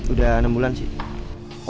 udah enam bulan sih